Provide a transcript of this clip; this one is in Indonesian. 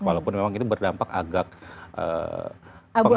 walaupun memang ini berdampak agak pengaruh